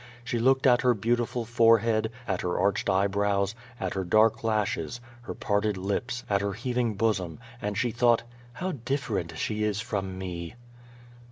She looked at her beautiful fore head, at her arched eyebrows, at her dark lashes, her parted lips, at her heaving bosom, and she thought "How different she is from me!